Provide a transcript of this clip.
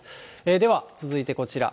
では、続いてこちら。